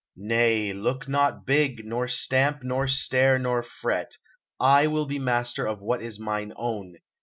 Nay, look not big, nor stamp, nor stare, nor fret; I will be master of what is mine own.